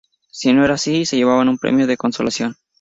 Si no era así, se llevaban un premio de consolación.